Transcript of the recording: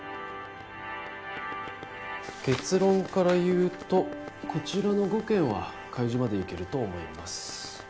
結論から言うとこちらの５件は開示までいけると思います。